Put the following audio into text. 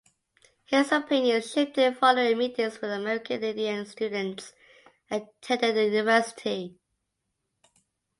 His opinions shifted following meetings with American Indian students attending the University.